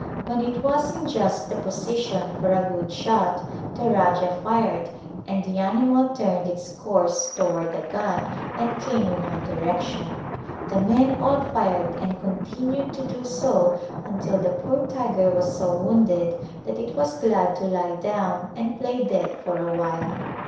When it was in just the position for a good shot the Rajah fired and the animal turned its course toward the gun and came in our direction. The men all fired and continued to do so until the poor tiger was so wounded that it was glad to lie down and play dead for a while.